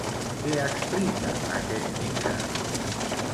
Què explica aquest mite?